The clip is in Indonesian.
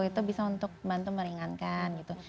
itu bisa untuk bantu meringankan gitu